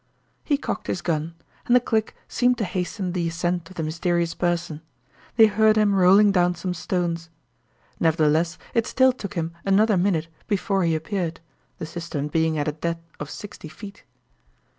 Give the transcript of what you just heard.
He cocked his gun, and the click seemed to hasten the ascent of the mysterious person; they heard him rolling down some stones. Nevertheless it still took him another minute before he appeared, the cistern being at a depth of sixty feet.